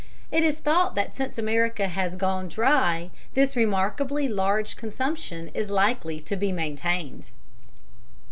It is thought that since America has "gone dry" this remarkably large consumption is likely to be maintained.